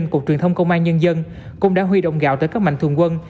cục truyền thông công an nhân dân cũng đã huy động gạo tới các mạnh thường quân